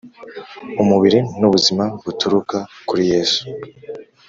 umubiri n ubuzima buturuka kuri Yesu